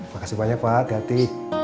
makasih banyak pak hati hati